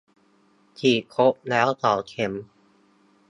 ฉีดครบแล้ว สองเข็ม